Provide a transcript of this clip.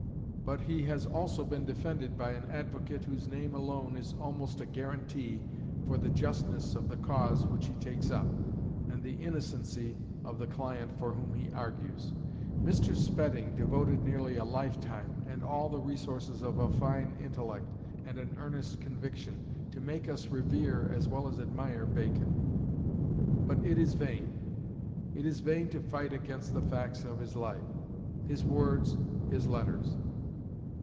But he has also been defended by an advocate whose name alone is almost a guarantee for the justness of the cause which he takes up, and the innocency of the client for whom he argues. Mr. Spedding devoted nearly a lifetime, and all the resources of a fine intellect and an earnest conviction, to make us revere as well as admire Bacon. But it is vain. It is vain to fight against the facts of his life: his words, his letters.